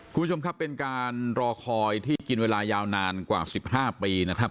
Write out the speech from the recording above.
คุณผู้ชมครับเป็นการรอคอยที่กินเวลายาวนานกว่า๑๕ปีนะครับ